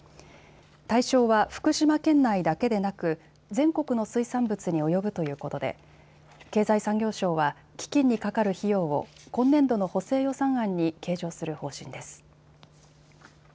対象は福島県内だけでなく全国の水産物に及ぶということで経済産業省は基金にかかる費用を今年度の補正予算案に計上する方針です。